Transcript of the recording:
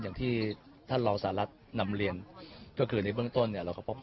อย่างที่ท่านรองสหรัฐนำเรียนก็คือในเบื้องต้นเนี่ยเราก็พบ